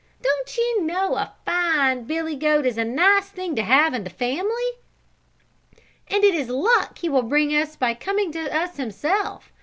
Don't ye know a fine Billy goat is a nice thing to have in the family? And it is luck he will bring us by coming to us himself.